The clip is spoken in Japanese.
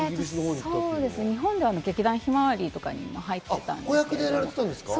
日本では劇団ひまわりとかにも入っていたんですけど。